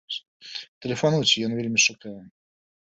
Тэлефануйце, ён вельмі чакае!